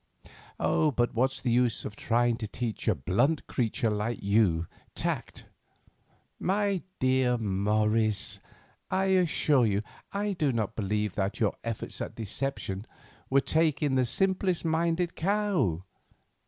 But what's the use of trying to teach a blunt creature like you tact? My dear Morris, I assure you I do not believe that your efforts at deception would take in the simplest minded cow.